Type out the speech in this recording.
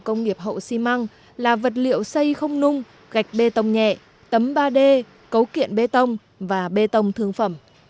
công nghiệp hậu xi măng là vật liệu xây không nung gạch bê tông nhẹ tấm ba d cấu kiện bê tông và bê tông thương phẩm